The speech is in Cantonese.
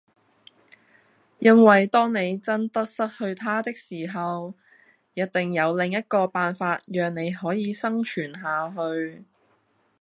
因為當你真得失去它的時候，一定有另一個辦法讓你可以生存下去